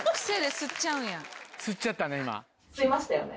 吸っちゃったね